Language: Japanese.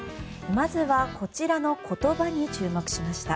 まずはこちらの言葉に注目しました。